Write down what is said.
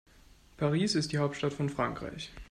Paris ist die Hauptstadt von Frankreich.